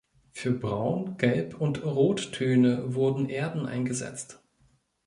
Für Braun-, Gelb- und Rottöne wurden Erden eingesetzt.